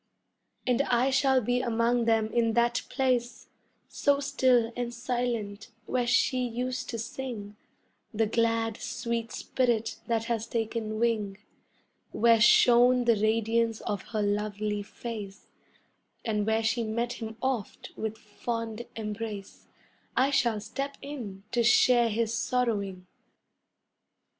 And I shall be among them in that place So still and silent, where she used to sing The glad, sweet spirit that has taken wing Where shone the radiance of her lovely face, And where she met him oft with fond embrace, I shall step in to share his sorrowing.